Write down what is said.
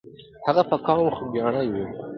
هغه په قوم خوګیاڼی وو.